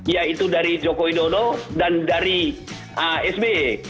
yaitu dari jokowi dodo dan dari sby